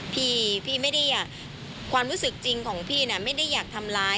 พี่พี่ไม่ได้ความรู้สึกจริงของพี่น่ะไม่ได้อยากทำร้าย